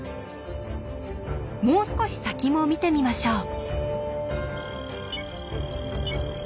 もう少し先も見てみましょう。